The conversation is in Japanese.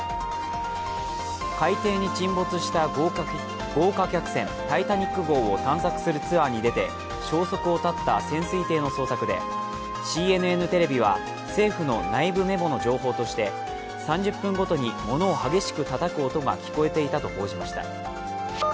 海底に沈没した豪華客船「タイタニック」号を探索するツアーに出て消息を絶った潜水艇の捜索でＣＮＮテレビは政府の内部メモの情報として３０分ごとにものを激しくたたく音が聞こえていたと報じました。